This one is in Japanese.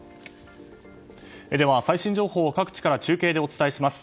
最新情報を各地から中継でお伝えします。